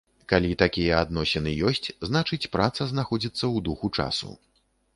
Калі такія адносіны ёсць, значыць, праца знаходзіцца ў духу часу.